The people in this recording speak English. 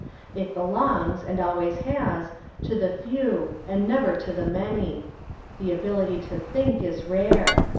It belongs, and always has, to the few and never to the many. The ability to think is rare.